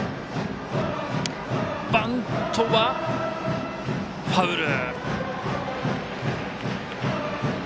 バントはファウル。